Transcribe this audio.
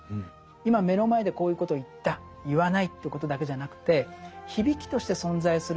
今目の前でこういうことを言った言わないということだけじゃなくて響きとして存在する